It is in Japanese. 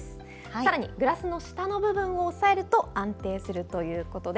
さらに、グラスの下の部分を押さえると安定するということで。